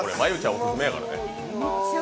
オススメやからね。